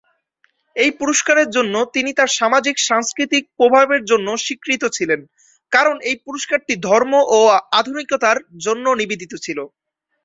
এই পুরস্কারের জন্য, তিনি তার সামাজিক-সাংস্কৃতিক প্রভাবের জন্য স্বীকৃত ছিলেন, কারণ এই পুরস্কারটি "ধর্ম ও আধুনিকতা"র জন্য নিবেদিত ছিল।